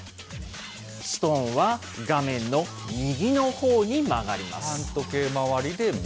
ストーンは画面の右のほうに曲がります。